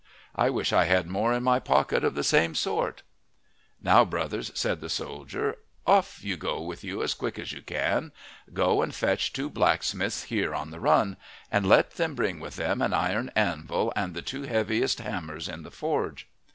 I wish I had more in my pocket of the same sort. "Now, brothers," said the soldier, "off with you as quick as you can, go and fetch two blacksmiths here on the run. And let them bring with them an iron anvil and the two heaviest hammers in the forge."